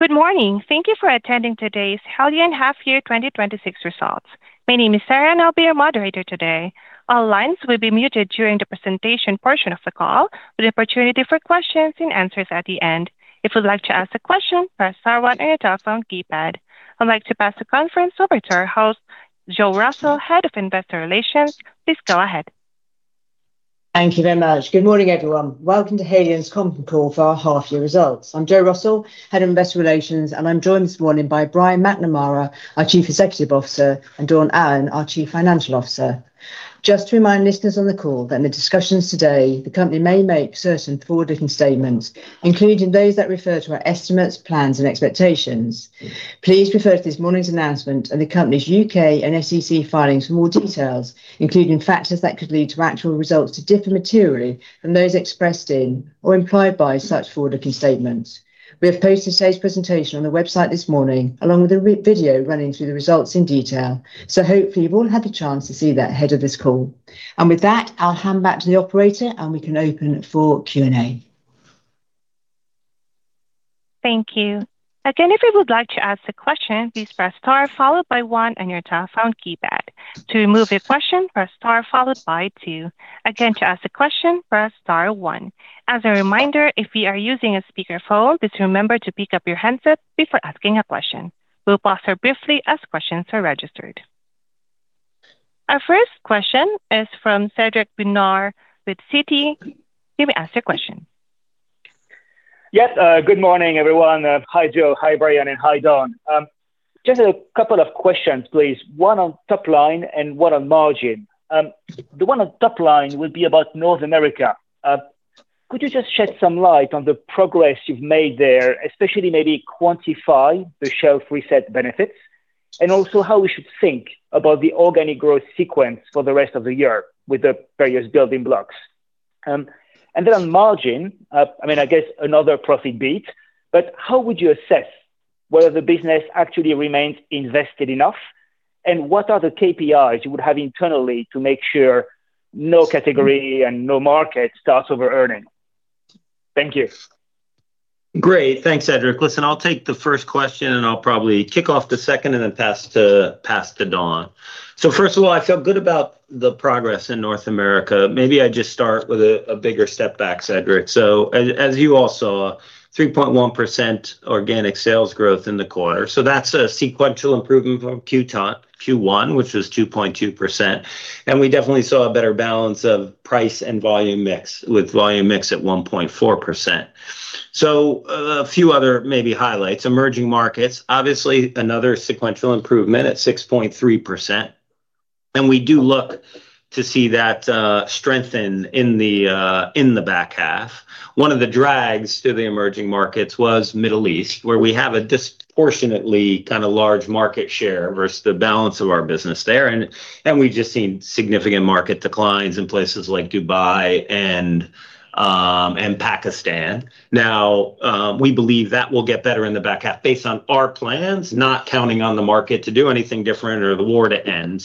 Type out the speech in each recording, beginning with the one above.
Good morning. Thank you for attending today's Haleon Half Year 2026 Results. My name is Sarah, and I'll be your moderator today. All lines will be muted during the presentation portion of the call, with the opportunity for questions and answers at the end. If you'd like to ask a question, press star one on your telephone keypad. I'd like to pass the conference over to our host, Jo Russell, Head of Investor Relations. Please go ahead. Thank you very much. Good morning, everyone. Welcome to Haleon's conference call for our half-year results. I'm Jo Russell, Head of Investor Relations, and I'm joined this morning by Brian McNamara, our Chief Executive Officer, and Dawn Allen, our Chief Financial Officer. Just to remind listeners on the call that in the discussions today, the company may make certain forward-looking statements, including those that refer to our estimates, plans, and expectations. Please refer to this morning's announcement and the company's U.K. and SEC filings for more details, including factors that could lead to actual results to differ materially from those expressed in or implied by such forward-looking statements. We have posted today's presentation on the website this morning, along with a video running through the results in detail. Hopefully you've all had the chance to see that ahead of this call. With that, I'll hand back to the operator, and we can open for Q&A. Thank you. Again, if you would like to ask a question, please press star followed by one on your telephone keypad. To remove a question, press star followed by two. Again, to ask a question, press star one. As a reminder, if you are using a speakerphone, please remember to pick up your handset before asking a question. We will pause here briefly as questions are registered. Our first question is from Cédric Besnard with Citi. You may ask your question. Yes, good morning, everyone. Hi, Jo. Hi, Brian. Hi, Dawn. Just a couple of questions, please. One on top line and one on margin. The one on top line will be about North America. Could you just shed some light on the progress you've made there, especially maybe quantify the shelf reset benefits and also how we should think about the organic growth sequence for the rest of the year with the various building blocks? On margin, I guess another profit beat, but how would you assess whether the business actually remains invested enough, and what are the KPIs you would have internally to make sure no category and no market starts overearning? Thank you. Great. Thanks, Cédric. Listen, I'll take the first question. I'll probably kick off the second, pass to Dawn. First of all, I feel good about the progress in North America. Maybe I just start with a bigger step back, Cédric. As you all saw, 3.1% organic sales growth in the quarter. That's a sequential improvement from Q1, which was 2.2%, we definitely saw a better balance of price and volume mix, with volume mix at 1.4%. A few other maybe highlights. Emerging markets, obviously another sequential improvement at 6.3%, we do look to see that strengthen in the back half. One of the drags to the emerging markets was Middle East, where we have a disproportionately kind of large market share versus the balance of our business there, we've just seen significant market declines in places like Dubai and Pakistan. We believe that will get better in the back half based on our plans, not counting on the market to do anything different or the war to end.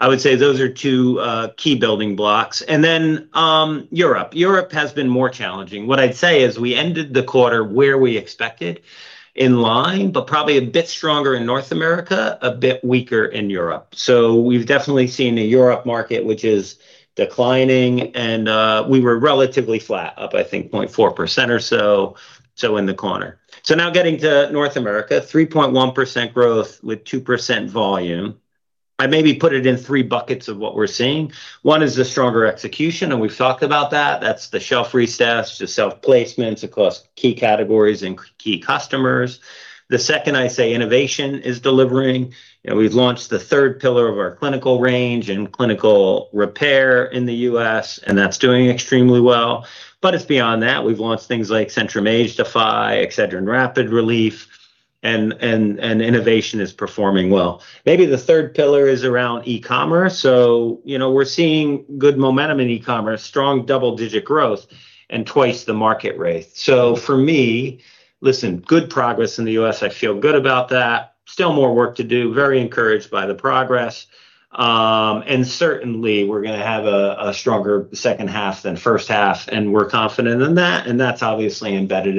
I would say those are two key building blocks. Europe. Europe has been more challenging. What I'd say is we ended the quarter where we expected, in line, probably a bit stronger in North America, a bit weaker in Europe. We've definitely seen a Europe market which is declining, we were relatively flat, up, I think, 0.4% or so in the quarter. Getting to North America, 3.1% growth with 2% volume. I'd maybe put it in three buckets of what we're seeing. One is the stronger execution, we've talked about that. That's the shelf resets, the self-placements across key categories and key customers. The second I say innovation is delivering. We've launched the third pillar of our clinical range and clinical repair in the U.S., that's doing extremely well. It's beyond that. We've launched things like Centrum Age Defy, Excedrin Rapid Relief, innovation is performing well. Maybe the third pillar is around e-commerce. We're seeing good momentum in e-commerce, strong double-digit growth twice the market rate. For me, listen, good progress in the U.S. I feel good about that. Still more work to do. Very encouraged by the progress. Certainly, we're going to have a stronger second half than first half, we're confident in that's obviously embedded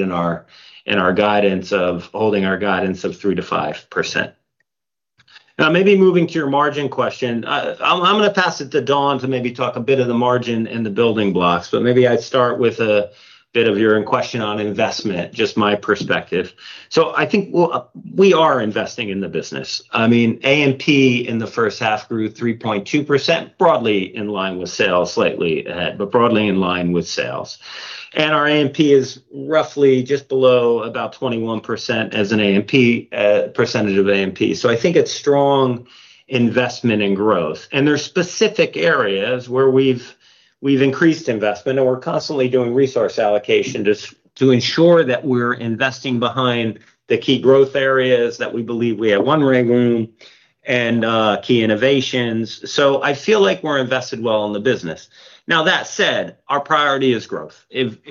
in our guidance of holding our guidance of 3%-5%. Moving to your margin question, I'm going to pass it to Dawn to maybe talk a bit of the margin and the building blocks. I'd start with a bit of your own question on investment, just my perspective. I think we are investing in the business. A&P in the first half grew 3.2%, broadly in line with sales, slightly ahead, but broadly in line with sales. Our A&P is roughly just below about 21% as a percentage of A&P. I think it's strong investment and growth. There's specific areas where we've increased investment, and we're constantly doing resource allocation just to ensure that we're investing behind the key growth areas that we believe we have one running room and key innovations. I feel like we're invested well in the business. That said, our priority is growth.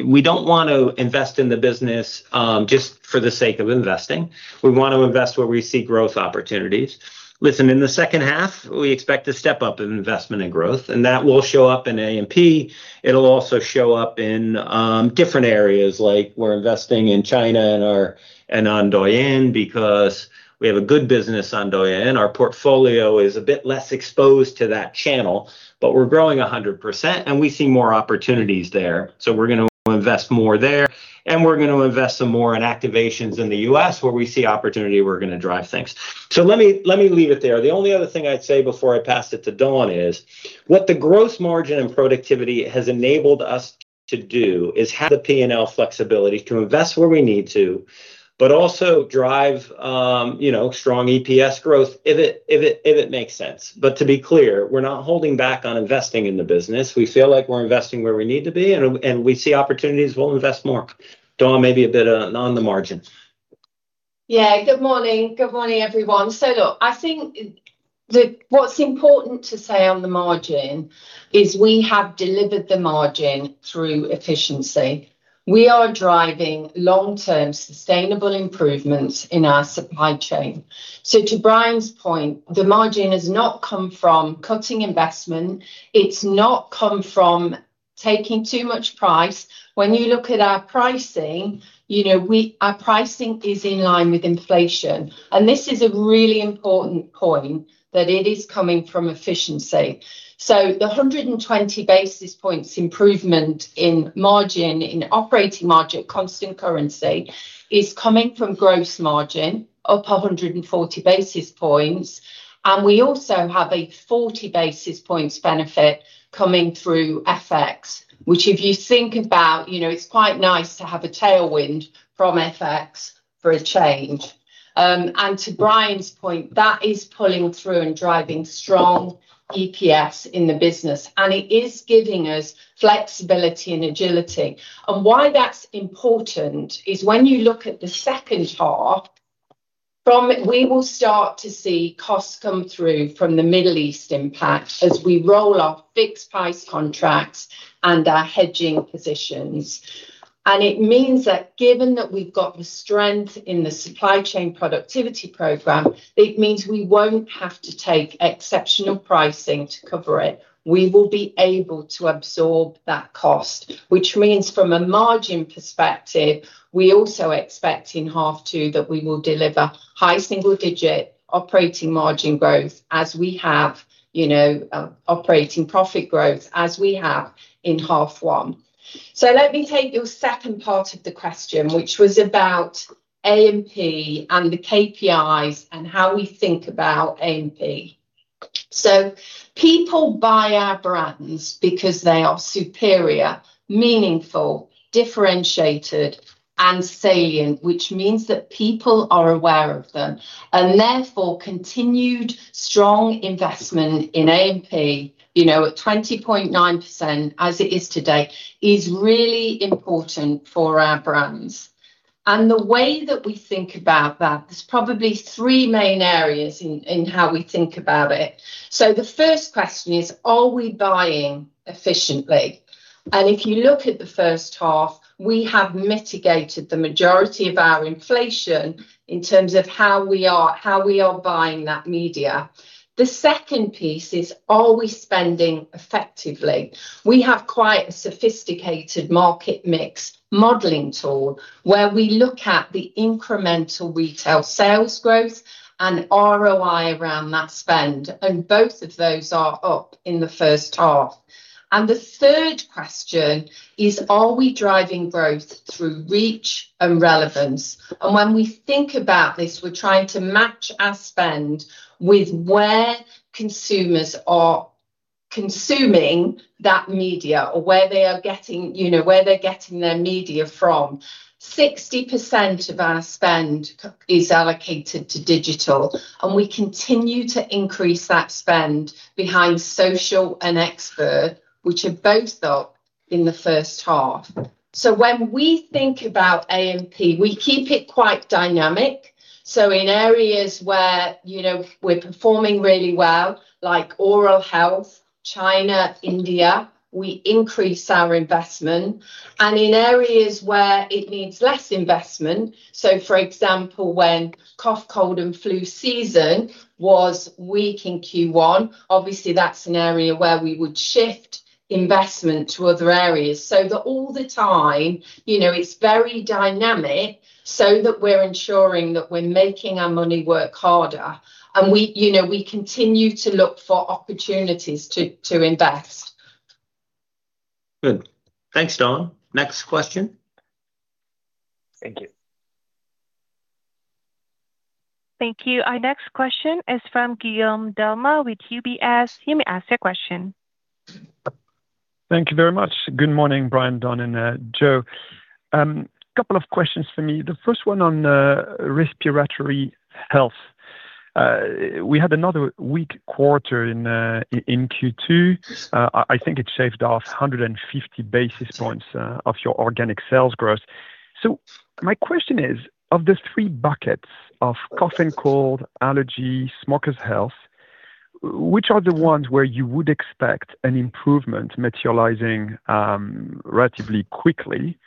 We don't want to invest in the business just for the sake of investing. We want to invest where we see growth opportunities. Listen, in the second half, we expect a step-up of investment and growth, and that will show up in A&P. It'll also show up in different areas, like we're investing in China and on Douyin because we have a good business on Douyin. Our portfolio is a bit less exposed to that channel, but we're growing 100%, and we see more opportunities there. We're going to invest more there, and we're going to invest some more in activations in the U.S. Where we see opportunity, we're going to drive things. Let me leave it there. The only other thing I'd say before I pass it to Dawn is what the gross margin and productivity has enabled us to do is have the P&L flexibility to invest where we need to, but also drive strong EPS growth if it makes sense. To be clear, we're not holding back on investing in the business. We feel like we're investing where we need to be, and we see opportunities, we'll invest more. Dawn, maybe a bit on the margin. Good morning everyone. I think what's important to say on the margin is we have delivered the margin through efficiency. We are driving long-term sustainable improvements in our supply chain. To Brian's point, the margin has not come from cutting investment. It's not come from taking too much price. When you look at our pricing, our pricing is in line with inflation, and this is a really important point, that it is coming from efficiency. The 120 basis points improvement in margin, in operating margin at constant currency, is coming from gross margin up 140 basis points. We also have a 40 basis points benefit coming through FX, which if you think about, it's quite nice to have a tailwind from FX for a change. To Brian's point, that is pulling through and driving strong EPS in the business, and it is giving us flexibility and agility. Why that's important is when you look at the second half, we will start to see costs come through from the Middle East impact as we roll off fixed price contracts and our hedging positions. It means that given that we've got the strength in the supply chain productivity program, it means we won't have to take exceptional pricing to cover it. We will be able to absorb that cost. From a margin perspective, we also expect in half two that we will deliver high single-digit operating margin growth as we have operating profit growth as we have in half one. Let me take your second part of the question, which was about A&P and the KPIs and how we think about A&P. People buy our brands because they are superior, meaningful, differentiated, and salient, which means that people are aware of them. Therefore, continued strong investment in A&P at 20.9% as it is today, is really important for our brands. The way that we think about that, there's probably three main areas in how we think about it. The first question is, are we buying efficiently? If you look at the first half, we have mitigated the majority of our inflation in terms of how we are buying that media. The second piece is, are we spending effectively? We have quite a sophisticated market mix modeling tool where we look at the incremental retail sales growth and ROI around that spend, both of those are up in the first half. The third question is, are we driving growth through reach and relevance? When we think about this, we're trying to match our spend with where consumers are consuming that media or where they're getting their media from. 60% of our spend is allocated to digital, and we continue to increase that spend behind social and expert, which are both up in the first half. When we think about A&P, we keep it quite dynamic. In areas where we're performing really well, like oral health, China, India, we increase our investment. In areas where it needs less investment, for example, when cough, cold, and flu season was weak in Q1, obviously that's an area where we would shift investment to other areas that all the time it's very dynamic, that we're ensuring that we're making our money work harder and we continue to look for opportunities to invest. Good. Thanks, Dawn. Next question. Thank you. Thank you. Our next question is from Guillaume Delmas with UBS. You may ask your question. Thank you very much. Good morning, Brian, Dawn, and Jo. Couple of questions for me. The first one on respiratory health. We had another weak quarter in Q2. I think it shaved off 150 basis points of your organic sales growth. My question is, of the three buckets of cough and cold, allergy, smokers health, which are the ones where you would expect an improvement materializing relatively quickly?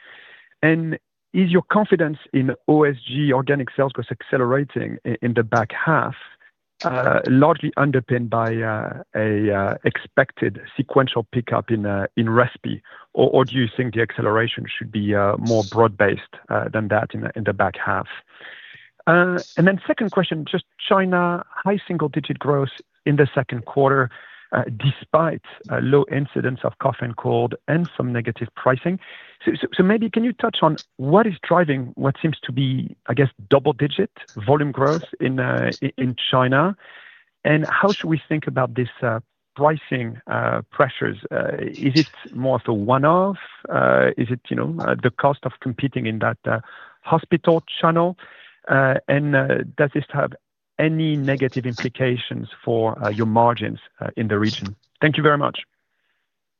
Is your confidence in OSG organic sales growth accelerating in the back half largely underpinned by expected sequential pickup in respy? Do you think the acceleration should be more broad-based than that in the back half? Second question, just China, high single-digit growth in the second quarter, despite low incidents of cough and cold and some negative pricing. Maybe can you touch on what is driving what seems to be, I guess, double-digit volume growth in China, and how should we think about this pricing pressures? Is it more of a one-off? Is it the cost of competing in that hospital channel? Does this have any negative implications for your margins in the region? Thank you very much.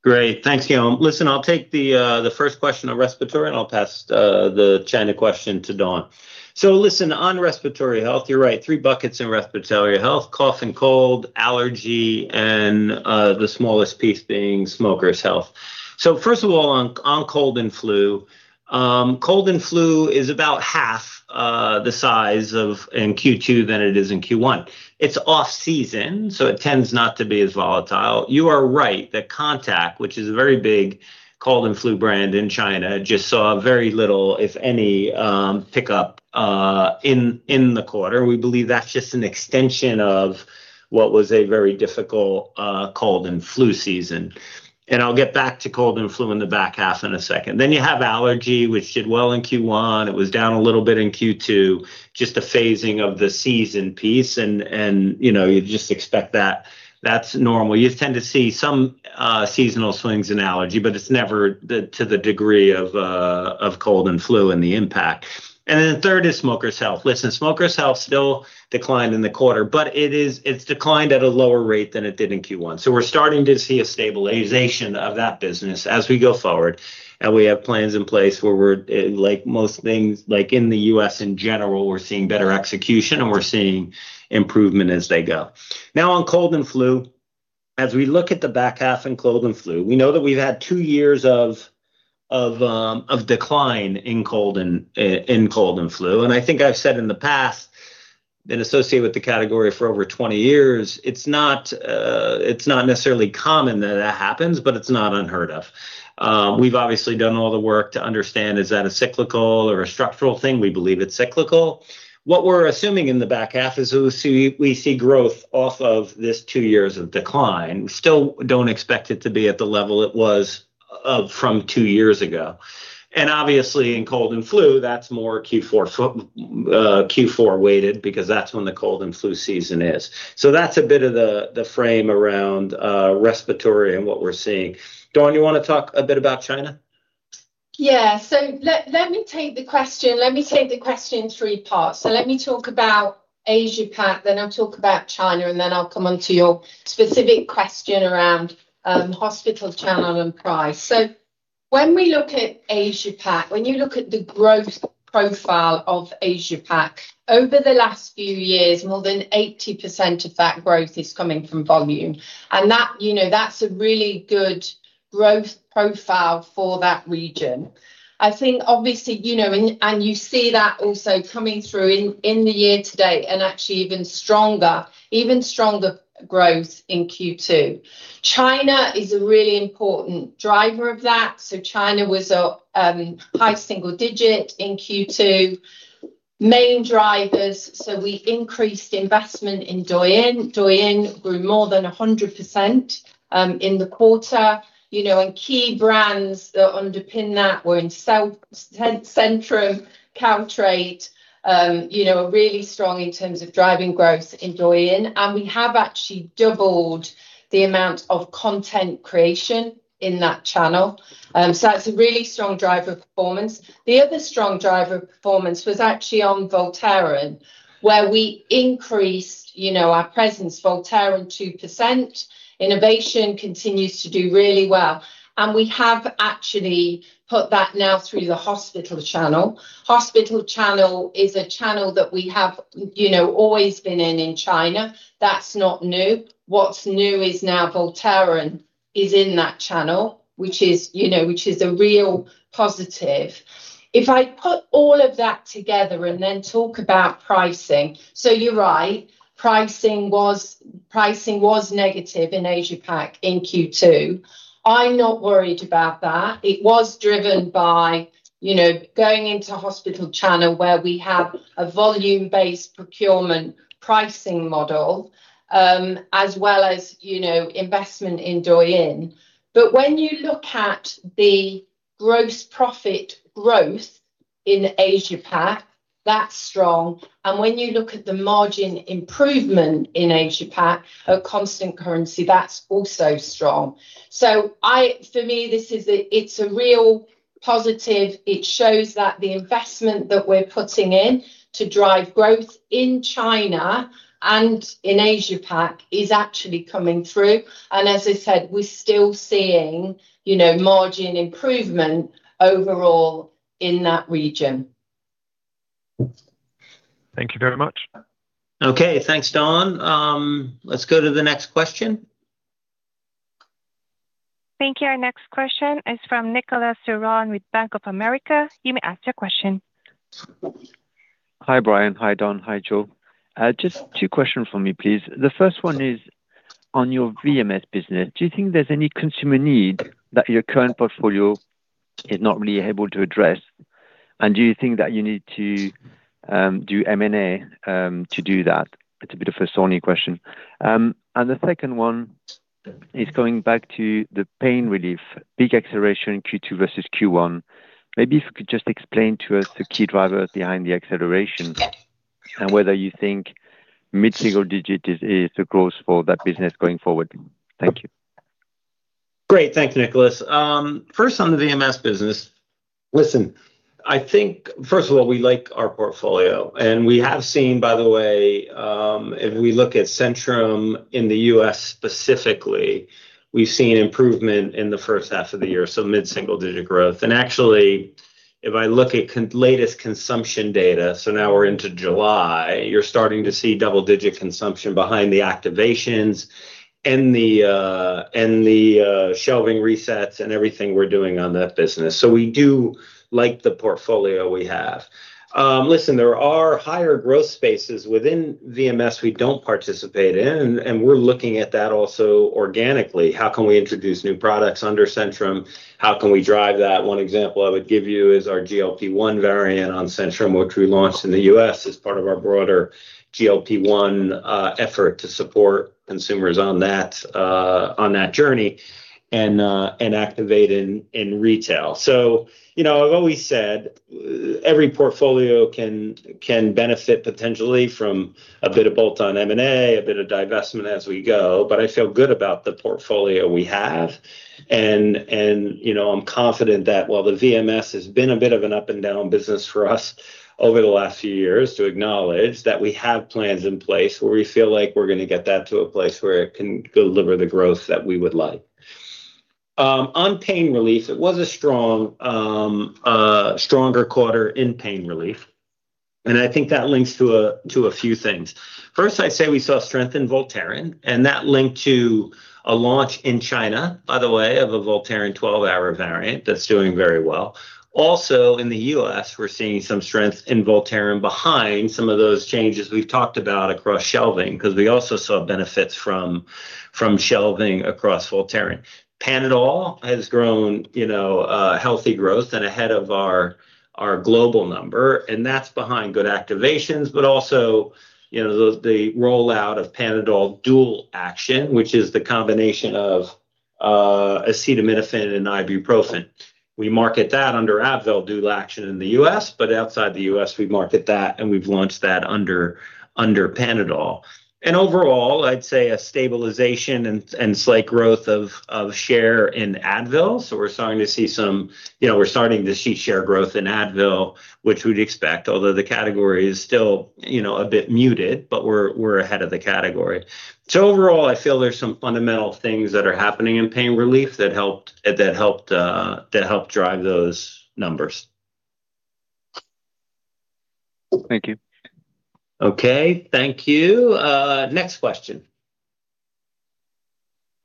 Great. Thanks, Guillaume. Listen, I'll take the first question on respiratory, I'll pass the China question to Dawn. Listen, on respiratory health, you're right, three buckets in respiratory health, cough and cold, allergy, and the smallest piece being smoker's health. First of all, on cold and flu, cold and flu is about half the size in Q2 than it is in Q1. It's off-season, so it tends not to be as volatile. You are right that Contac, which is a very big cold and flu brand in China, just saw very little, if any, pickup in the quarter. We believe that's just an extension of what was a very difficult cold and flu season. I'll get back to cold and flu in the back half in a second. You have allergy, which did well in Q1. It was down a little bit in Q2, just a phasing of the season piece, and you just expect that. That's normal. You tend to see some seasonal swings in allergy, but it's never to the degree of cold and flu in the impact. Third is smoker's health. Listen, smoker's health still declined in the quarter, but it's declined at a lower rate than it did in Q1. We're starting to see a stabilization of that business as we go forward, and we have plans in place where we're, like most things, like in the U.S. in general, we're seeing better execution, and we're seeing improvement as they go. Now, on cold and flu, as we look at the back half in cold and flu, we know that we've had two years of decline in cold and flu. I think I've said in the past, been associated with the category for over 20 years, it's not necessarily common that that happens, but it's not unheard of. We've obviously done all the work to understand, is that a cyclical or a structural thing? We believe it's cyclical. What we're assuming in the back half is we see growth off of this two years of decline. We still don't expect it to be at the level it was from two years ago. Obviously, in cold and flu, that's more Q4 weighted because that's when the cold and flu season is. That's a bit of the frame around respiratory and what we're seeing. Dawn, you want to talk a bit about China? Yeah. Let me take the question in three parts. Let me talk about Asia-Pac, then I'll talk about China, and then I'll come onto your specific question around hospital channel and price. When we look at Asia-Pac, when you look at the growth profile of Asia-Pac, over the last few years, more than 80% of that growth is coming from volume. That's a really good growth profile for that region. I think obviously, and you see that also coming through in the year to date, and actually even stronger growth in Q2. China is a really important driver of that. China was up high single digit in Q2. Main drivers, we increased investment in Douyin. Douyin grew more than 100% in the quarter. Key brands that underpin that were in Centrum, Caltrate, really strong in terms of driving growth in Douyin. We have actually doubled the amount of content creation in that channel. That's a really strong driver of performance. The other strong driver of performance was actually on Voltaren, where we increased our presence. Voltaren, 2%. Innovation continues to do really well. We have actually put that now through the hospital channel. Hospital channel is a channel that we have always been in in China. That's not new. What's new is now Voltaren is in that channel, which is a real positive. You're right, pricing was negative in Asia-Pac in Q2. I'm not worried about that. It was driven by going into hospital channel where we have a volume-based procurement pricing model, as well as investment in Douyin. When you look at the gross profit growth in Asia-Pac, that's strong. When you look at the margin improvement in Asia-Pac at constant currency, that's also strong. For me, it's a real positive. It shows that the investment that we're putting in to drive growth in China and in Asia-Pac is actually coming through. As I said, we're still seeing margin improvement overall in that region. Thank you very much. Thanks, Dawn. Let's go to the next question. Thank you. Our next question is from Nicolas Ceron with Bank of America. You may ask your question. Hi, Brian. Hi, Dawn. Hi, Jo. Just two questions from me, please. The first one is on your VMS business. Do you think there's any consumer need that your current portfolio is not really able to address? Do you think that you need to do M&A to do that? It's a bit of a thorny question. The second one is going back to the pain relief, big acceleration in Q2 versus Q1. Maybe if you could just explain to us the key drivers behind the acceleration and whether you think mid-single digit is the growth for that business going forward. Thank you. Great. Thanks, Nicolas. First, on the VMS business. Listen, I think, first of all, we like our portfolio. We have seen, by the way, if we look at Centrum in the U.S. specifically, we've seen improvement in the first half of the year, so mid-single-digit growth. Actually, if I look at latest consumption data, so now we're into July, you're starting to see double-digit consumption behind the activations and the shelving resets and everything we're doing on that business. We do like the portfolio we have. Listen, there are higher growth spaces within VMS we don't participate in. We're looking at that also organically. How can we introduce new products under Centrum? How can we drive that? One example I would give you is our GLP-1 variant on Centrum, which we launched in the U.S. as part of our broader GLP-1 effort to support consumers on that journey and activate in retail. I've always said every portfolio can benefit potentially from a bit of bolt-on M&A, a bit of divestment as we go. I feel good about the portfolio we have, and I'm confident that while the VMS has been a bit of an up-and-down business for us over the last few years to acknowledge that we have plans in place where we feel like we're going to get that to a place where it can deliver the growth that we would like. On pain relief, it was a stronger quarter in pain relief. I think that links to a few things. First, I'd say we saw strength in Voltaren, that linked to a launch in China, by the way, of a Voltaren 12-hour variant that's doing very well. Also in the U.S., we're seeing some strength in Voltaren behind some of those changes we've talked about across shelving, because we also saw benefits from shelving across Voltaren. Panadol has grown healthy growth and ahead of our global number, that's behind good activations, but also the rollout of Panadol Dual Action, which is the combination of acetaminophen and ibuprofen. We market that under Advil Dual Action in the U.S., but outside the U.S., we market that and we've launched that under Panadol. Overall, I'd say a stabilization and slight growth of share in Advil. We're starting to see share growth in Advil, which we'd expect, although the category is still a bit muted, we're ahead of the category. Overall, I feel there's some fundamental things that are happening in pain relief that helped drive those numbers. Thank you. Okay. Thank you. Next question.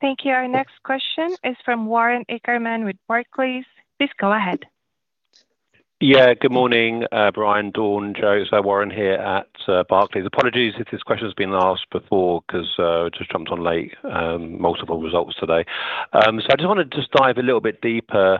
Thank you. Our next question is from Warren Ackerman with Barclays. Please go ahead. Good morning, Brian, Dawn, Jo. It's Warren here at Barclays. Apologies if this question's been asked before because I just jumped on late, multiple results today. I just want to just dive a little bit deeper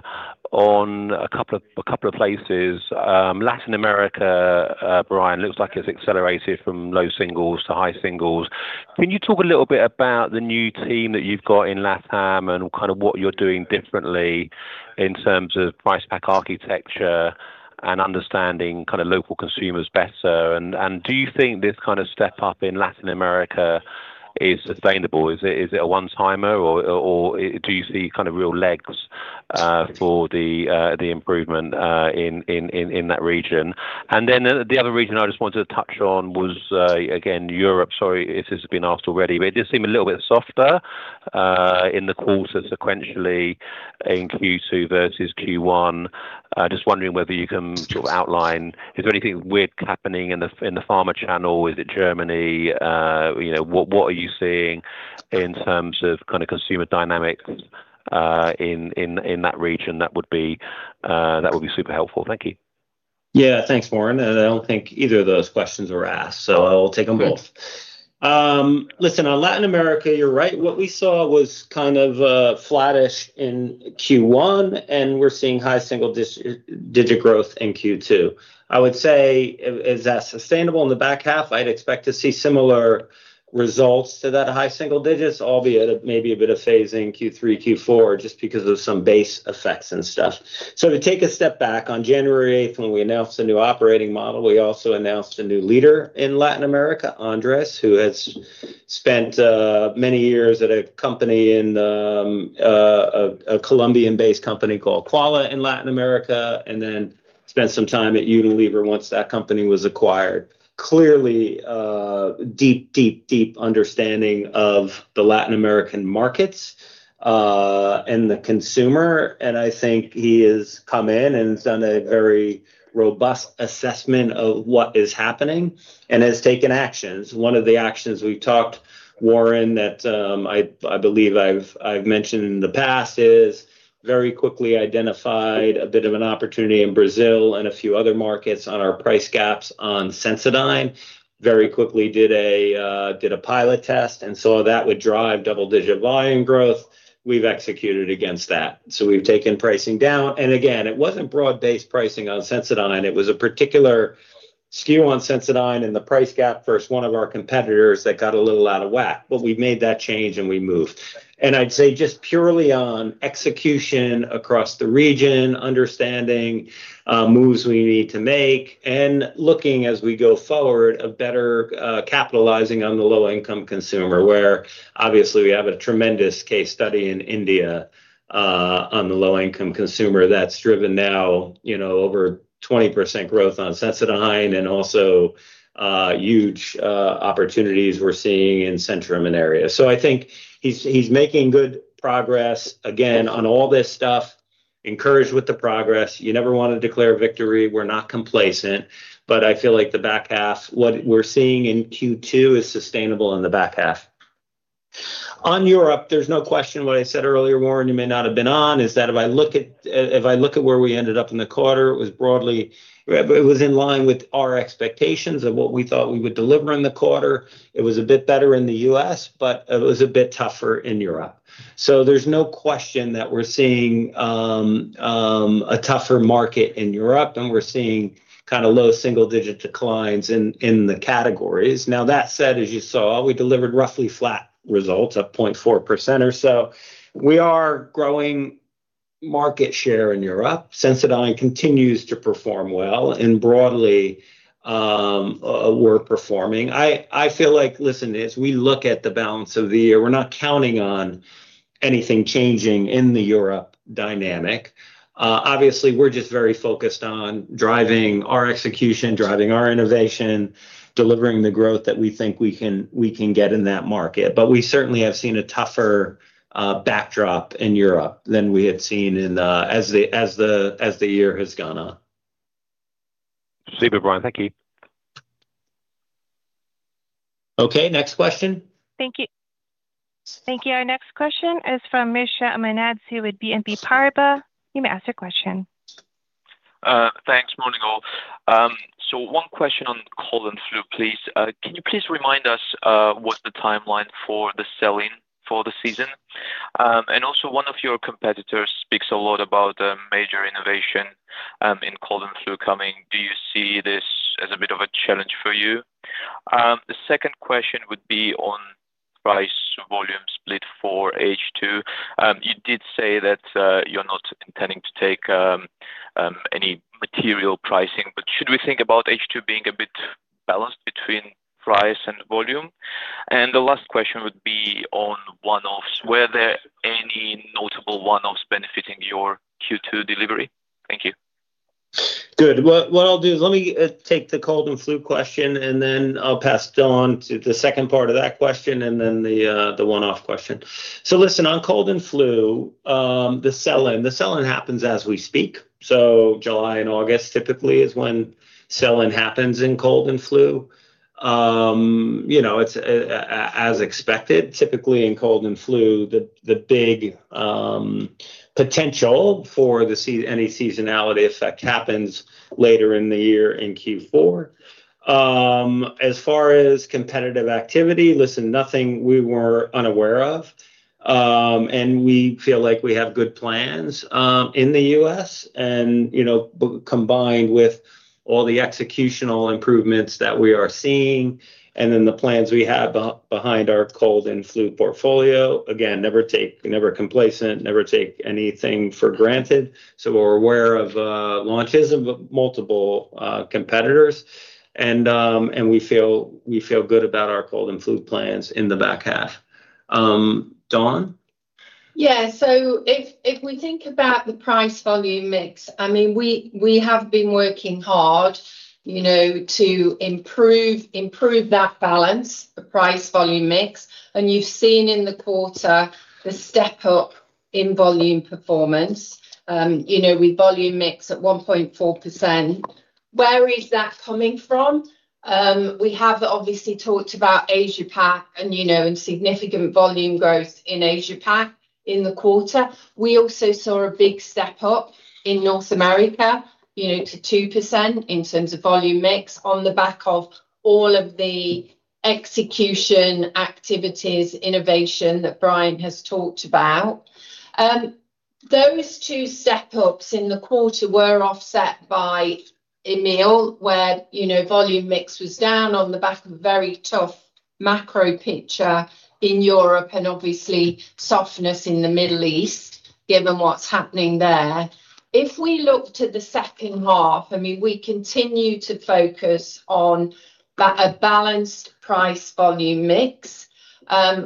on a couple of places. Latin America, Brian, looks like it's accelerated from low singles to high singles. Can you talk a little bit about the new team that you've got in LATAM and kind of what you're doing differently in terms of price-pack architecture and understanding local consumers better? Do you think this kind of step-up in Latin America is sustainable? Is it a one-timer, or do you see kind of real legs for the improvement in that region? The other region I just wanted to touch on was, again, Europe. Sorry if this has been asked already, it did seem a little bit softer in the quarter sequentially in Q2 versus Q1. Just wondering whether you can sort of outline, is there anything weird happening in the pharma channel? Is it Germany? What are you seeing in terms of kind of consumer dynamics in that region? That would be super helpful. Thank you. Thanks, Warren. I don't think either of those questions were asked, I'll take them both. Listen, on Latin America, you're right. What we saw was kind of flattish in Q1, and we're seeing high single-digit growth in Q2. I would say, is that sustainable in the back half? I'd expect to see similar results to that high single digits, albeit maybe a bit of phasing Q3, Q4, just because of some base effects and stuff. To take a step back, on January 8th, when we announced the new operating model, we also announced a new leader in Latin America, Andrés, who has spent many years at a Colombian-based company called Quala in Latin America, and then spent some time at Unilever once that company was acquired. Clearly, deep understanding of the Latin American markets, and the consumer. I think he has come in and has done a very robust assessment of what is happening and has taken actions. One of the actions we've talked, Warren, that I believe I've mentioned in the past, is very quickly identified a bit of an opportunity in Brazil and a few other markets on our price gaps on Sensodyne. Very quickly did a pilot test and saw that would drive double-digit volume growth. We've executed against that. We've taken pricing down. Again, it wasn't broad-based pricing on Sensodyne. It was a particular SKU on Sensodyne and the price gap versus one of our competitors that got a little out of whack. We've made that change, and we moved. I'd say just purely on execution across the region, understanding moves we need to make, and looking as we go forward of better capitalizing on the low-income consumer, where obviously we have a tremendous case study in India on the low-income consumer that's driven now over 20% growth on Sensodyne and also huge opportunities we're seeing in Centrum in EMEA. I think he's making good progress again on all this stuff. Encouraged with the progress. You never want to declare victory. We're not complacent. I feel like the back half, what we're seeing in Q2 is sustainable in the back half. On Europe, there's no question what I said earlier, Warren, you may not have been on, is that if I look at where we ended up in the quarter, it was in line with our expectations of what we thought we would deliver in the quarter. It was a bit better in the U.S. It was a bit tougher in Europe. There's no question that we're seeing a tougher market in Europe, and we're seeing low single-digit declines in the categories. Now that said, as you saw, we delivered roughly flat results, up 0.4% or so. We are growing market share in Europe. Sensodyne continues to perform well and broadly, we're performing. I feel like, listen, as we look at the balance of the year, we're not counting on anything changing in the Europe dynamic. Obviously, we're just very focused on driving our execution, driving our innovation, delivering the growth that we think we can get in that market. We certainly have seen a tougher backdrop in Europe than we had seen as the year has gone on. Super, Brian. Thank you. Okay, next question. Thank you. Our next question is from Mikheil Omanadze with BNP Paribas. You may ask your question. Thanks. Morning, all. One question on cold and flu, please. Can you please remind us what the timeline for the sell-in for the season? Also, one of your competitors speaks a lot about a major innovation in cold and flu coming. Do you see this as a bit of a challenge for you? The second question would be on price volume split for H2. You did say that you're not intending to take any material pricing, should we think about H2 being a bit balanced between price and volume? Last question would be on one-offs. Were there any notable one-offs benefiting your Q2 delivery? Thank you. Good. What I'll do is let me take the cold and flu question, and then I'll pass Dawn to the second part of that question, and then the one-off question. Listen, on cold and flu, the sell-in happens as we speak. July and August typically is when sell-in happens in cold and flu. It's as expected. Typically, in cold and flu, the big potential for any seasonality effect happens later in the year in Q4. As far as competitive activity, listen, nothing we were unaware of. We feel like we have good plans in the U.S., and combined with all the executional improvements that we are seeing and then the plans we have behind our cold and flu portfolio. Again, never complacent, never take anything for granted. We're aware of launches of multiple competitors. We feel good about our cold and flu plans in the back half. Dawn? If we think about the price volume mix, we have been working hard to improve that balance, the price volume mix. You've seen in the quarter the step-up in volume performance. With volume mix at 1.4%, where is that coming from? We have obviously talked about Asia-Pac and significant volume growth in Asia-Pac in the quarter. We also saw a big step-up in North America to 2% in terms of volume mix on the back of all of the execution activities, innovation that Brian has talked about. Those two step-ups in the quarter were offset by EMEA, where volume mix was down on the back of a very tough macro picture in Europe and obviously softness in the Middle East, given what's happening there. If we look to the second half, we continue to focus on a balanced price volume mix.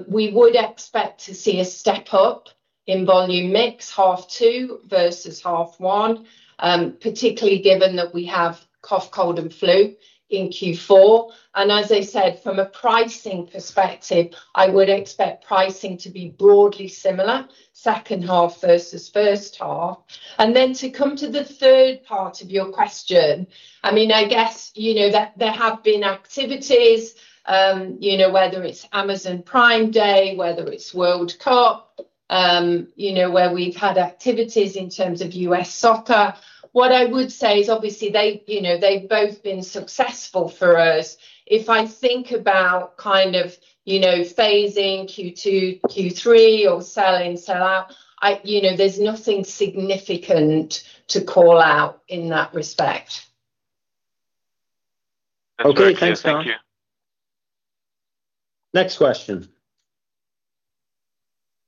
We would expect to see a step-up in volume mix half two versus half one, particularly given that we have cough, cold, and flu in Q4. As I said, from a pricing perspective, I would expect pricing to be broadly similar second half versus first half. To come to the third part of your question, I guess there have been activities, whether it's Amazon Prime Day, whether it's World Cup, where we've had activities in terms of U.S. soccer. What I would say is obviously they've both been successful for us. If I think about phasing Q2, Q3 or sell in, sell out, there's nothing significant to call out in that respect. Thank you. Okay, thanks, Dawn. Next question.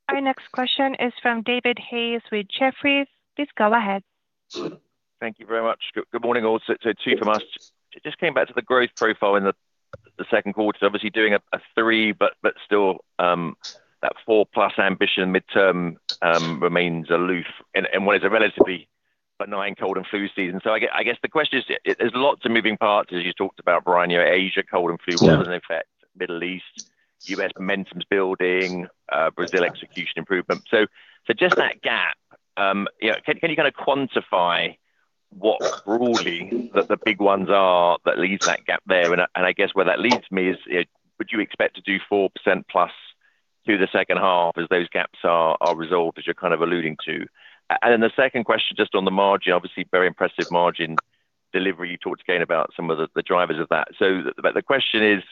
Our next question is from David Hayes with Jefferies. Please go ahead. Thank you very much. Good morning, all. Two from us. Just came back to the growth profile in the second quarter, obviously doing a 3%, but still that 4%+ ambition midterm remains aloof in what is a relatively benign cold and flu season. I guess the question is, there's lots of moving parts as you talked about, Brian, Asia cold and flu doesn't affect Middle East, U.S. momentum's building, Brazil execution improvement. Just that gap, can you quantify what broadly that the big ones are that leaves that gap there? I guess where that leads me is would you expect to do 4%+ through the second half as those gaps are resolved, as you're alluding to? The second question, just on the margin, obviously very impressive margin delivery. You talked again about some of the drivers of that. The question is,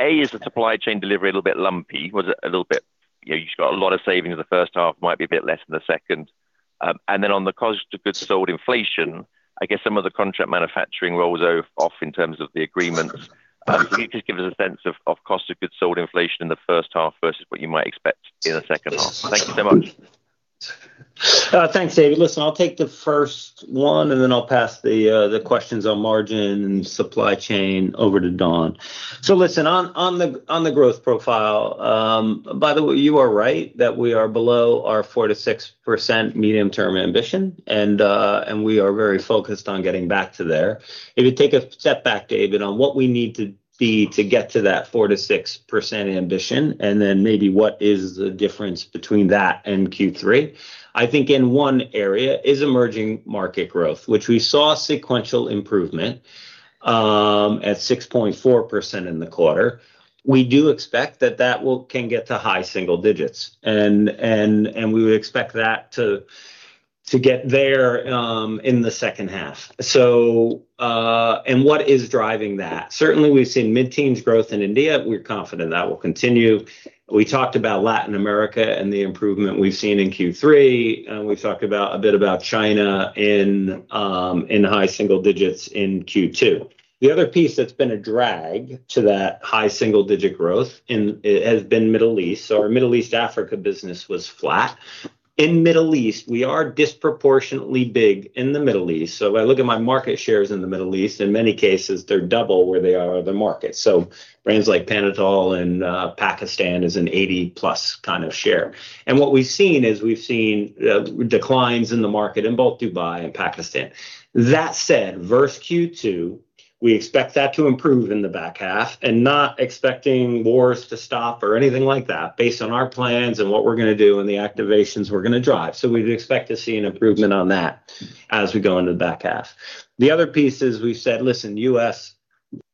A, is the supply chain delivery a little bit lumpy? You've got a lot of savings in the first half, might be a bit less in the second. On the COGS inflation, I guess some of the contract manufacturing rolls off in terms of the agreements. Can you just give us a sense of cost of goods sold inflation in the first half versus what you might expect in the second half? Thank you so much. Thanks, David. Listen, I'll take the first one, and then I'll pass the questions on margin and supply chain over to Dawn. Listen, on the growth profile, by the way, you are right that we are below our 4%-6% medium-term ambition, and we are very focused on getting back to there. If you take a step back, David, on what we need to be to get to that 4%-6% ambition, and then maybe what is the difference between that and Q3, I think in one area is emerging market growth, which we saw sequential improvement at 6.4% in the quarter. We do expect that that can get to high single digits, and we would expect that to get there in the second half. What is driving that? Certainly, we've seen mid-teens growth in India. We're confident that will continue. We talked about Latin America and the improvement we've seen in Q3. We've talked a bit about China in high single digits in Q2. The other piece that's been a drag to that high single-digit growth has been Middle East. Our Middle East/Africa business was flat. In Middle East, we are disproportionately big in the Middle East. If I look at my market shares in the Middle East, in many cases, they're double where they are in the market. Brands like Panadol in Pakistan is an 80+ kind of share. What we've seen is we've seen declines in the market in both Dubai and Pakistan. That said, versus Q2, we expect that to improve in the back half and not expecting wars to stop or anything like that based on our plans and what we're going to do and the activations we're going to drive. We'd expect to see an improvement on that as we go into the back half. The other piece is we've said, listen, U.S.,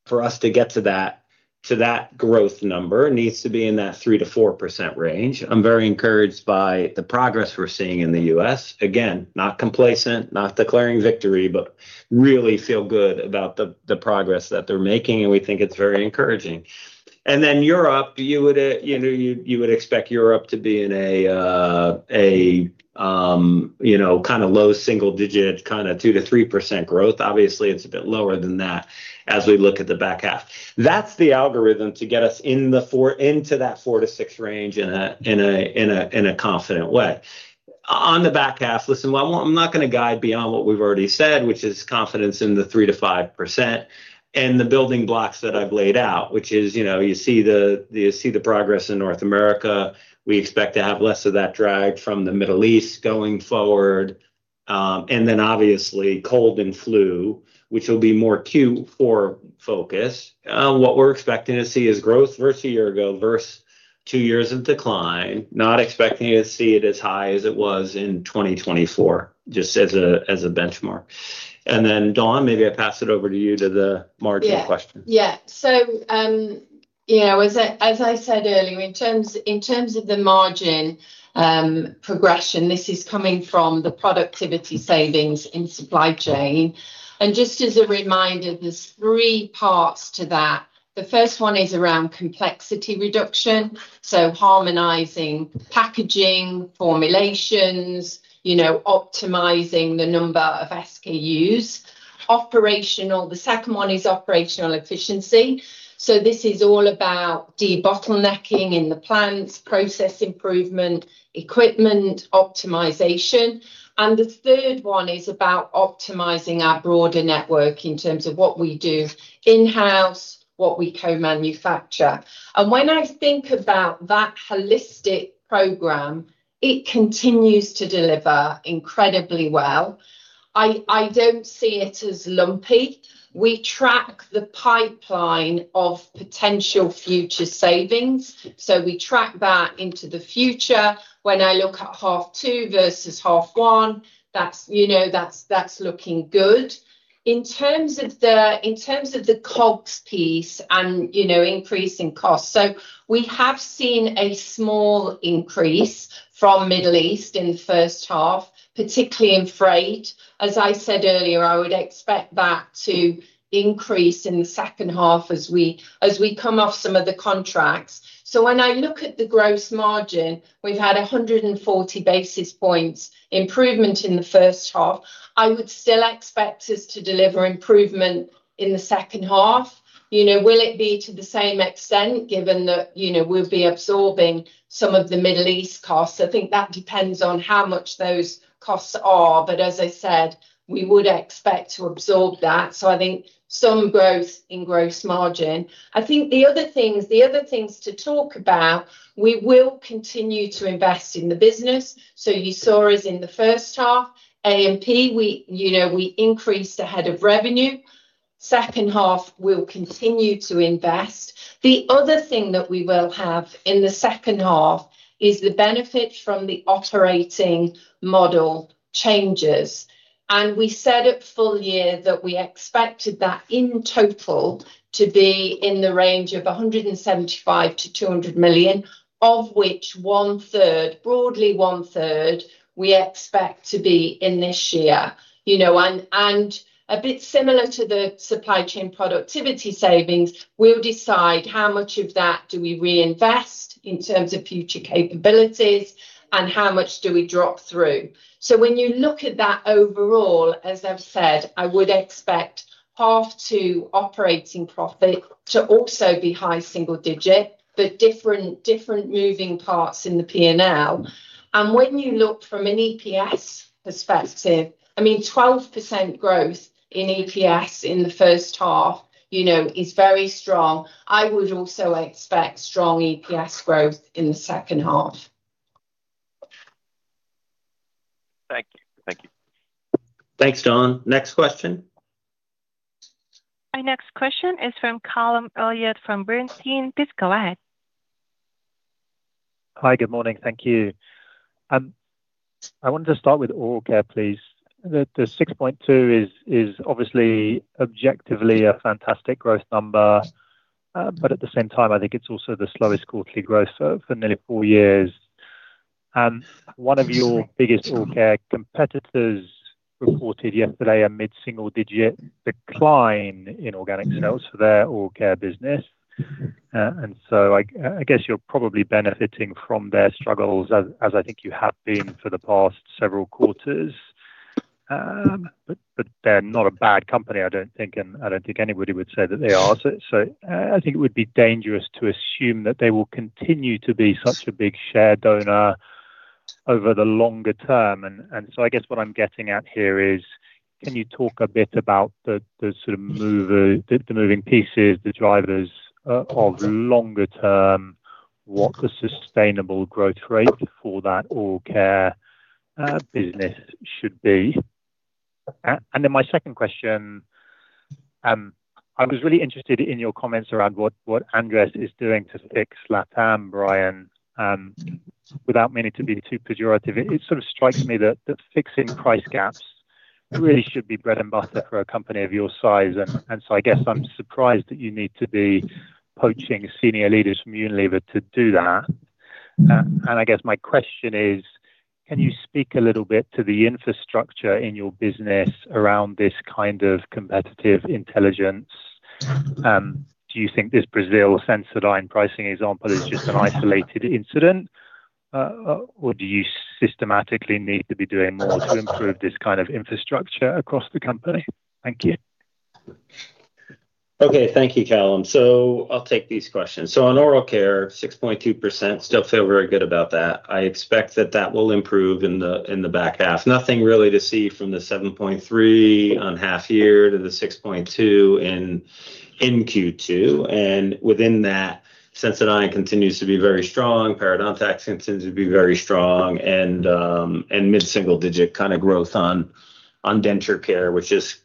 for us to get to that growth number, needs to be in that 3%-4% range. I'm very encouraged by the progress we're seeing in the U.S. Again, not complacent, not declaring victory, but really feel good about the progress that they're making, and we think it's very encouraging. Europe, you would expect Europe to be in a low single digit, 2%-3% growth. Obviously, it's a bit lower than that as we look at the back half. That's the algorithm to get us into that 4%-6% range in a confident way. On the back half, listen, I'm not going to guide beyond what we've already said, which is confidence in the 3%-5%, and the building blocks that I've laid out, which is you see the progress in North America. We expect to have less of that drag from the Middle East going forward. Then obviously cold and flu, which will be more Q4 focus. What we're expecting to see is growth versus a year ago, versus two years of decline. Not expecting to see it as high as it was in 2024, just as a benchmark. Dawn, maybe I pass it over to you to the margin question. Yeah. As I said earlier, in terms of the margin progression, this is coming from the productivity savings in supply chain. Just as a reminder, there's three parts to that. The first one is around complexity reduction, so harmonizing packaging, formulations, optimizing the number of SKUs. The second one is operational efficiency. This is all about debottlenecking in the plants, process improvement, equipment optimization. The third one is about optimizing our broader network in terms of what we do in-house, what we co-manufacture. When I think about that holistic program, it continues to deliver incredibly well. I don't see it as lumpy. We track the pipeline of potential future savings. We track that into the future. When I look at half two versus half one, that's looking good. In terms of the COGS piece and increasing costs, we have seen a small increase from Middle East in the first half, particularly in freight. As I said earlier, I would expect that to increase in the second half as we come off some of the contracts. When I look at the gross margin, we've had 140 basis points improvement in the first half. I would still expect us to deliver improvement in the second half. Will it be to the same extent given that we'll be absorbing some of the Middle East costs? I think that depends on how much those costs are. As I said, we would expect to absorb that. I think some growth in gross margin. I think the other things to talk about, we will continue to invest in the business. You saw us in the first half, A&P, we increased ahead of revenue. Second half, we'll continue to invest. The other thing that we will have in the second half is the benefit from the operating model changes. We said at full year that we expected that in total to be in the range of 175 million-200 million, of which 1/3, broadly 1/3, we expect to be in this year. A bit similar to the supply chain productivity savings, we'll decide how much of that do we reinvest in terms of future capabilities and how much do we drop through. When you look at that overall, as I've said, I would expect half two operating profit to also be high single digit, but different moving parts in the P&L. When you look from an EPS perspective, 12% growth in EPS in the first half is very strong. I would also expect strong EPS growth in the second half. Thank you. Thanks, Dawn. Next question. Our next question is from Callum Elliott from Bernstein. Please go ahead. Hi, good morning. Thank you. I wanted to start with Oral Care, please. The 6.2% is obviously objectively a fantastic growth number. But at the same time, I think it is also the slowest quarterly growth for nearly four years. One of your biggest Oral Care competitors reported yesterday a mid-single digit decline in organic sales for their Oral Care business. I guess you are probably benefiting from their struggles, as I think you have been for the past several quarters. But they are not a bad company, I don't think, and I don't think anybody would say that they are. I think it would be dangerous to assume that they will continue to be such a big share donor over the longer term. I guess what I am getting at here is, can you talk a bit about the moving pieces, the drivers of longer term, what the sustainable growth rate for that Oral Care business should be? My second question, I was really interested in your comments around what Andrés is doing to fix LatAm, Brian. Without meaning to be too pejorative, it strikes me that fixing price gaps really should be bread and butter for a company of your size. I guess I am surprised that you need to be poaching senior leaders from Unilever to do that. I guess my question is, can you speak a little bit to the infrastructure in your business around this kind of competitive intelligence? Do you think this Brazil Sensodyne pricing example is just an isolated incident? Or do you systematically need to be doing more to improve this kind of infrastructure across the company? Thank you. Okay. Thank you, Callum. I'll take these questions. On Oral Care, 6.2%, still feel very good about that. I expect that that will improve in the back half. Nothing really to see from the 7.3% on half year to the 6.2% in Q2. Within that, Sensodyne continues to be very strong, parodontax continues to be very strong, and mid-single digit kind of growth on Denture Care, which is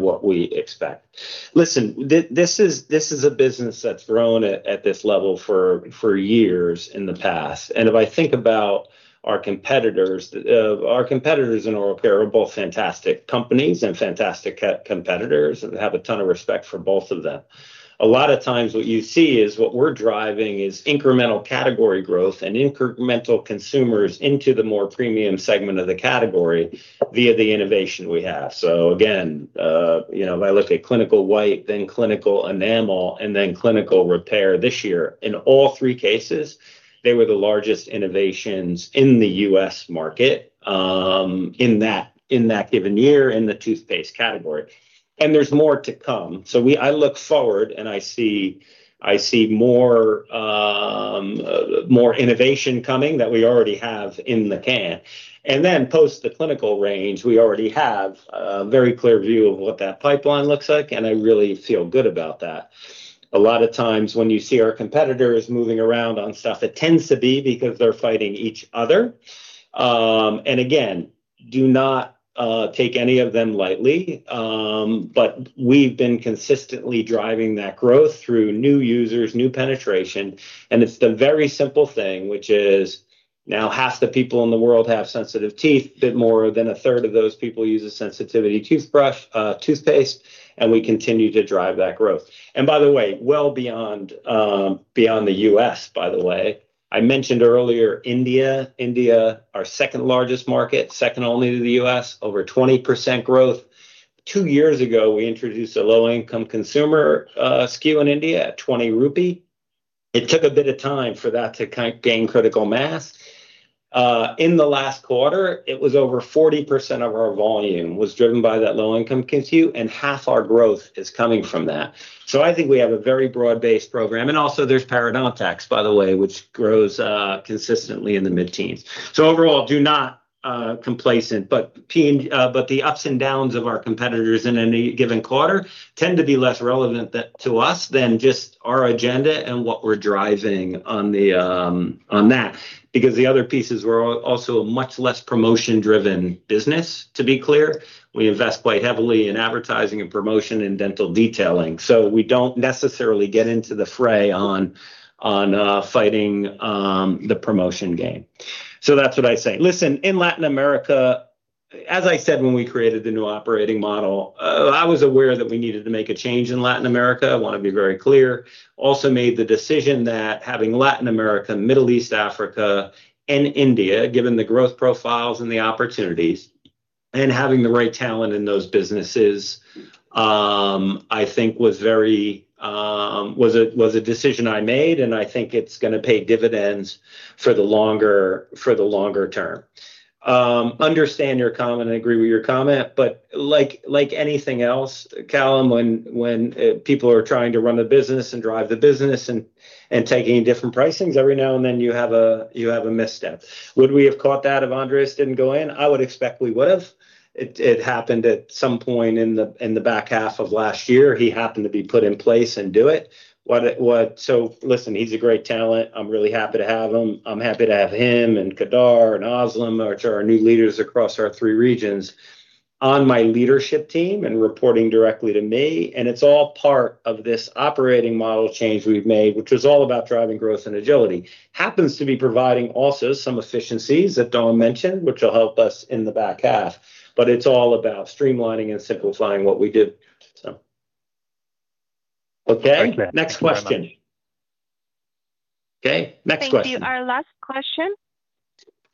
what we expect. Listen, this is a business that has grown at this level for years in the past. If I think about our competitors, our competitors in Oral Care are both fantastic companies and fantastic competitors. Have a ton of respect for both of them. A lot of times what you see is what we are driving is incremental category growth and incremental consumers into the more premium segment of the category via the innovation we have. If I look at Clinical White, then Clinical Enamel, and then Clinical Repair this year, in all three cases, they were the largest innovations in the U.S. market in that given year in the toothpaste category. There's more to come. I look forward, and I see more innovation coming that we already have in the can. Post the Clinical range, we already have a very clear view of what that pipeline looks like, and I really feel good about that. A lot of times when you see our competitors moving around on stuff, it tends to be because they're fighting each other. Do not take any of them lightly. We've been consistently driving that growth through new users, new penetration, and it's the very simple thing, which is now half the people in the world have sensitive teeth. A bit more than a third of those people use a sensitivity toothpaste, we continue to drive that growth. By the way, well beyond the U.S., by the way. I mentioned earlier India, our second largest market, second only to the U.S., over 20% growth. Two years ago, we introduced a low-income consumer SKU in India at 20 rupee. It took a bit of time for that to gain critical mass. In the last quarter, it was over 40% of our volume was driven by that low-income SKU, and half our growth is coming from that. I think we have a very broad-based program. Also there's parodontax, by the way, which grows consistently in the mid-teens. Overall, do not complacent, the ups and downs of our competitors in any given quarter tend to be less relevant to us than just our agenda and what we're driving on that. The other piece is we're also a much less promotion-driven business, to be clear. We invest quite heavily in advertising and promotion and dental detailing. We don't necessarily get into the fray on fighting the promotion game. That's what I say. Listen, in Latin America As I said, when we created the new operating model, I was aware that we needed to make a change in Latin America, I want to be very clear. Also made the decision that having Latin America, Middle East, Africa, and India, given the growth profiles and the opportunities, and having the right talent in those businesses, was a decision I made, and I think it's going to pay dividends for the longer term. Understand your comment and agree with your comment, like anything else, Callum, when people are trying to run the business and drive the business and taking different pricings, every now and then you have a misstep. Would we have caught that if Andrés didn't go in? I would expect we would've. It happened at some point in the back half of last year. He happened to be put in place and do it. Listen, he's a great talent. I'm really happy to have him. I'm happy to have him and Kedar and Özlem, which are our new leaders across our three regions, on my leadership team and reporting directly to me. It's all part of this operating model change we've made, which was all about driving growth and agility. Happens to be providing also some efficiencies that Dawn mentioned, which will help us in the back half. It's all about streamlining and simplifying what we do. Okay? Thank you very much. Next question. Next question. Thank you.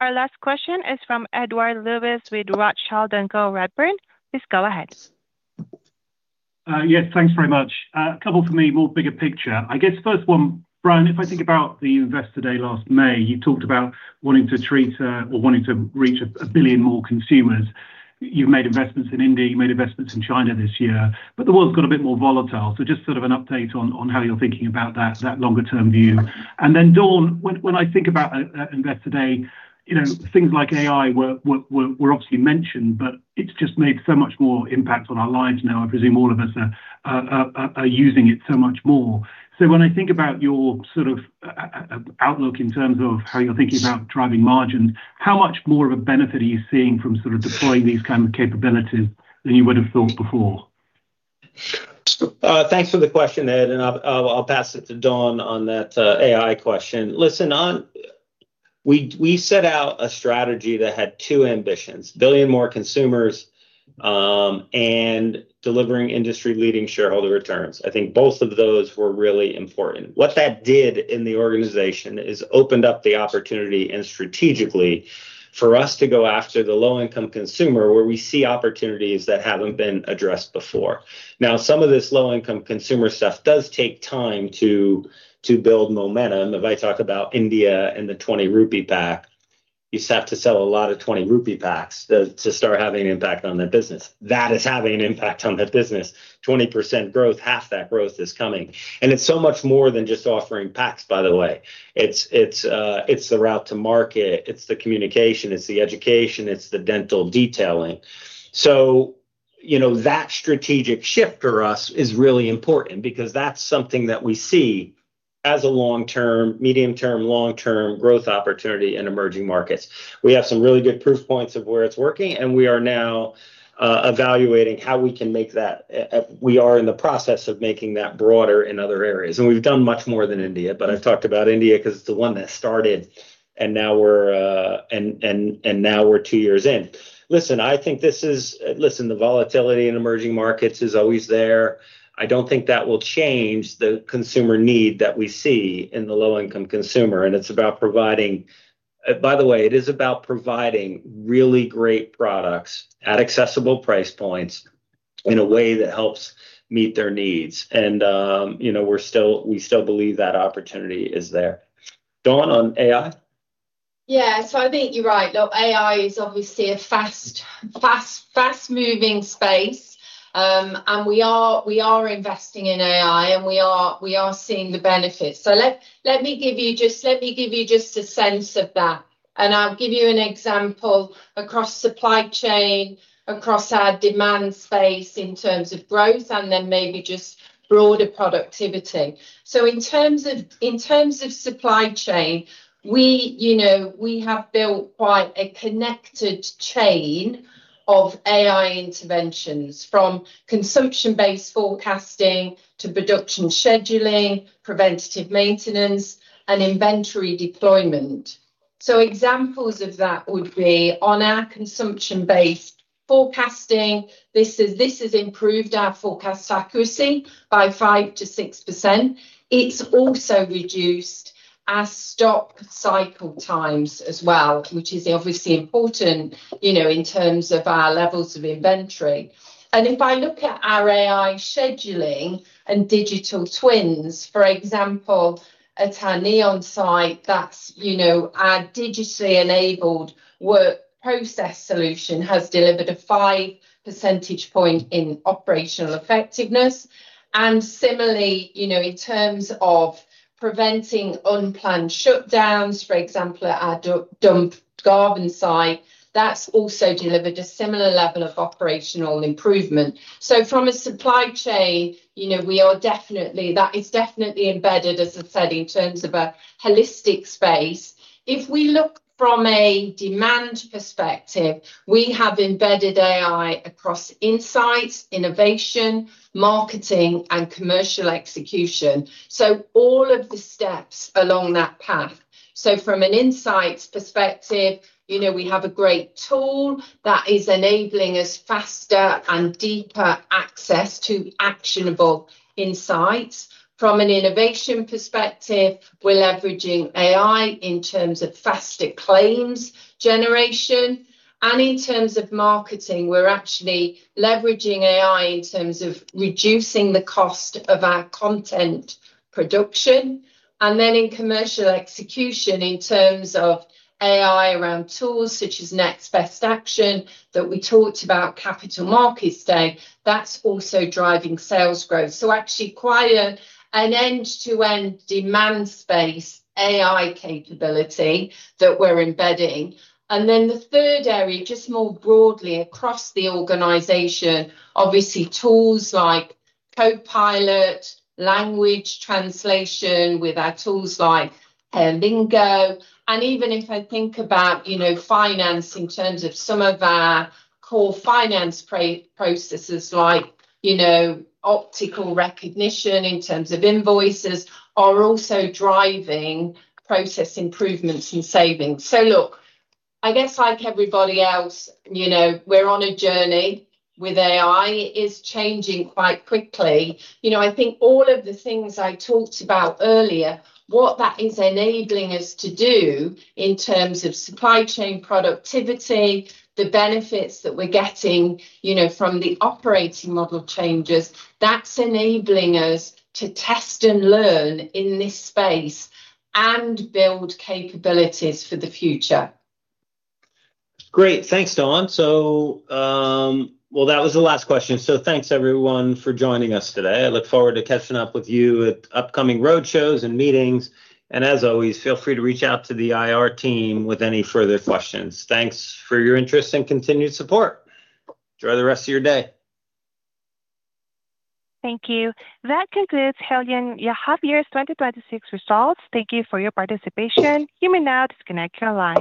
Our last question is from Edward Lewis with Rothschild & Co Redburn. Please go ahead. Yes, thanks very much. A couple from me, more bigger picture. I guess first one, Brian, if I think about the Investor Day last May, you talked about wanting to reach a billion more consumers. You've made investments in India, you made investments in China this year, the world's got a bit more volatile. Just an update on how you're thinking about that longer-term view. Dawn, when I think about Investor Day, things like AI were obviously mentioned, it's just made so much more impact on our lives now. I presume all of us are using it so much more. When I think about your outlook in terms of how you're thinking about driving margins, how much more of a benefit are you seeing from deploying these kind of capabilities than you would've thought before? Thanks for the question, Ed, I'll pass it to Dawn on that AI question. Listen, we set out a strategy that had two ambitions, a billion more consumers, and delivering industry-leading shareholder returns. I think both of those were really important. What that did in the organization is opened up the opportunity and strategically for us to go after the low-income consumer, where we see opportunities that haven't been addressed before. Now, some of this low-income consumer stuff does take time to build momentum. If I talk about India and the 20 rupee pack, you have to sell a lot of 20 rupee packs to start having an impact on that business. That is having an impact on that business. 20% growth, half that growth is coming. It's so much more than just offering packs, by the way. It's the route to market, it's the communication, it's the education, it's the dental detailing. That strategic shift for us is really important because that's something that we see as a medium-term, long-term growth opportunity in emerging markets. We have some really good proof points of where it's working, we are in the process of making that broader in other areas. We've done much more than India, I've talked about India because it's the one that started, now we're two years in. Listen, the volatility in emerging markets is always there. I don't think that will change the consumer need that we see in the low-income consumer, it's about providing, by the way, it is about providing really great products at accessible price points in a way that helps meet their needs. We still believe that opportunity is there. Dawn, on AI? Yes. I think you're right. Look, AI is obviously a fast-moving space, and we are investing in AI, and we are seeing the benefits. Let me give you just a sense of that, and I'll give you an example across supply chain, across our demand space in terms of growth, and then maybe just broader productivity. In terms of supply chain, we have built quite a connected chain of AI interventions, from consumption-based forecasting to production scheduling, preventative maintenance, and inventory deployment. Examples of that would be on our consumption-based forecasting. This has improved our forecast accuracy by 5%-6%. It's also reduced our stock cycle times as well, which is obviously important in terms of our levels of inventory. If I look at our AI scheduling and digital twins, for example, at our Nyon site, that's our digitally enabled work process solution has delivered a 5 percentage point in operational effectiveness. Similarly, in terms of preventing unplanned shutdowns, for example, at our Dungarvan site, that's also delivered a similar level of operational improvement. From a supply chain, that is definitely embedded, as I said, in terms of a holistic space. If we look from a demand perspective, we have embedded AI across insight, innovation, marketing, and commercial execution, so all of the steps along that path. From an insights perspective, we have a great tool that is enabling us faster and deeper access to actionable insights. From an innovation perspective, we're leveraging AI in terms of faster claims generation, and in terms of marketing, we're actually leveraging AI in terms of reducing the cost of our content production. Then in commercial execution, in terms of AI around tools such as Next Best Action that we talked about Capital Markets Day, that's also driving sales growth. Actually quite an end-to-end demand space AI capability that we're embedding. Then the third area, just more broadly across the organization, obviously tools like Copilot, language translation with our tools like Lingo. Even if I think about finance in terms of some of our core finance processes like optical recognition in terms of invoices are also driving process improvements and savings. Look, I guess like everybody else, we're on a journey with AI. It is changing quite quickly. I think all of the things I talked about earlier, what that is enabling us to do in terms of supply chain productivity, the benefits that we're getting from the operating model changes, that's enabling us to test and learn in this space and build capabilities for the future. Great. Thanks, Dawn. Well, that was the last question. Thanks everyone for joining us today. I look forward to catching up with you at upcoming roadshows and meetings. As always, feel free to reach out to the IR team with any further questions. Thanks for your interest and continued support. Enjoy the rest of your day. Thank you. That concludes Haleon half year's 2026 results. Thank you for your participation. You may now disconnect your lines.